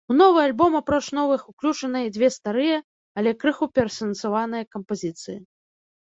У новы альбом, апроч новых, уключаныя і дзве старыя, але крыху пераасэнсаваныя кампазіцыі.